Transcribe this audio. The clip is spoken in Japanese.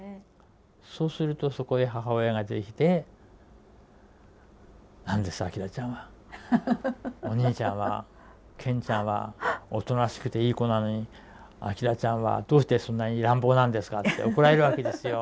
そうするとそこで母親が出てきて「何です？明ちゃんはお兄ちゃんはケンちゃんはおとなしくていい子なのに明ちゃんはどうしてそんなに乱暴なんですか」って怒られるわけですよ。